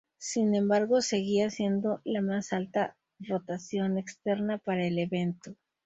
Sin embargo, seguía siendo la más alta rotación externa para el evento.